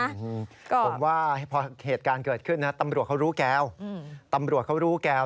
ผมว่าพอเหตุการณ์เกิดขึ้นนะตำรวจเขารู้แก้ว